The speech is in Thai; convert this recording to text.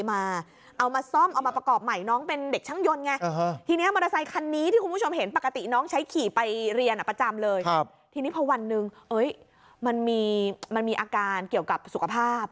มอเต้าไซส์คันนั้นเนี่ยน้องเวฟน้าไปซื้อโครงมอเตอร์ไซส์มา